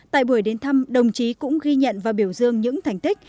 tại buổi đến thăm đồng chí cũng ghi nhận và biểu dương những thành tích